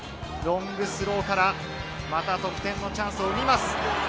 ロングスローからまた得点のチャンスを生みます。